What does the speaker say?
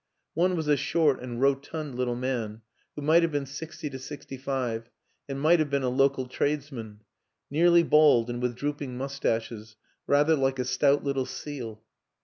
One was a short and rotund little man who might have been sixty to sixty five and might have been a local tradesman nearly bald and with drooping mustaches, rather like a stout little seal.